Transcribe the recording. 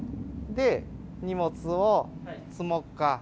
荷物を積もっか。